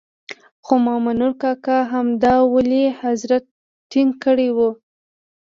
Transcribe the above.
خو مامنور کاکا همدا ولي حضرت ټینګ کړی وو.